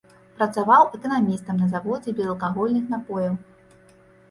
Працаваў эканамістам на заводзе безалкагольных напояў.